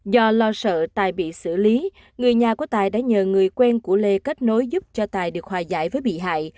do lo sợ tài bị xử lý người nhà của tài đã nhờ người quen của lê kết nối giúp cho tài được hòa giải với bị hại